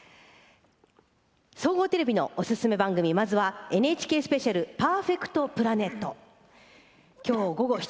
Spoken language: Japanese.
総合テレビのオススメ番組「ＮＨＫスペシャルパーフェクト・プラネット」。